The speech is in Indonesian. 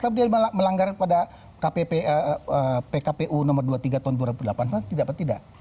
tapi dia melanggar pada pkpu nomor dua puluh tiga tahun dua ribu delapan tidak apa tidak